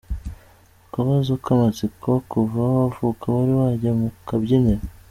Akabazo k’amatsiko, kuva wavuka wari wajya mu kabyiniro?.